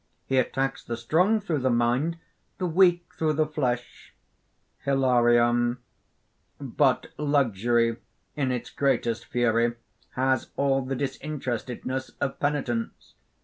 He attacks the strong through the mind, the weak through the flesh." HILARION. "But luxury, in its greatest fury, has all the disinterestedness of penitence.